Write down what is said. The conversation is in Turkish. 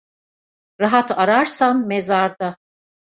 Rahat ararsan mezarda.